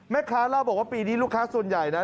แม่ค้าเล่าบอกว่าปีนี้ลูกค้าส่วนใหญ่นะ